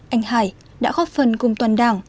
anh hải đã góp phần cùng toàn đảng